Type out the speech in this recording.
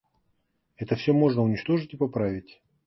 Это всё можно уничтожить и поправить.